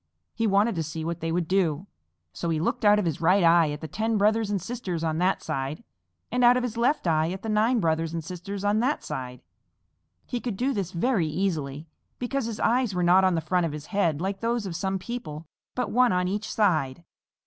He wanted to see what they would do, so he looked out of his right eye at the ten brothers and sisters on that side, and out of his left eye at the nine brothers and sisters on that side. He could do this very easily, because his eyes were not on the front of his head like those of some people, but one on each side.